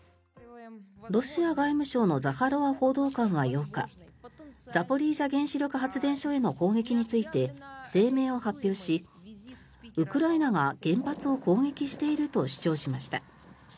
ロシア外務省のザハロワ報道官は８日ザポリージャ原子力発電所への攻撃について声明を発表しウクライナが原発を攻撃していると主張しました。